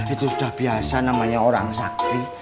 itu sudah biasa namanya orang sakti